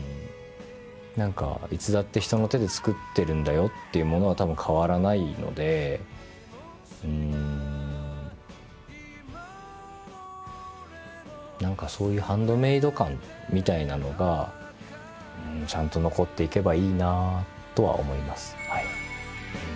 何かいつだって人の手で作ってるんだよっていうものは多分変わらないのでうん何かそういうハンドメード感みたいなのがちゃんと残っていけばいいなあとは思います。